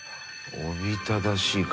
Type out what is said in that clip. おびただしい数。